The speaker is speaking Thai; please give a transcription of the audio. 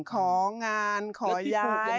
ของานขอย้าย